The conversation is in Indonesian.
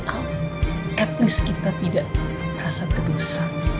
at least kita tidak merasa berdosa